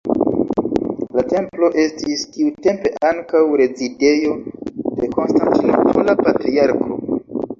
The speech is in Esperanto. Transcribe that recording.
La templo estis tiutempe ankaŭ rezidejo de konstantinopola patriarko.